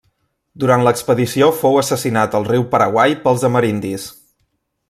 Durant l'expedició fou assassinat al riu Paraguai pels amerindis.